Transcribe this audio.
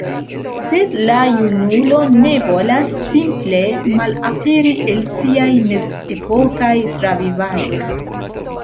Sed la junulo ne volas simple malaperi el siaj mezepokaj travivaĵoj.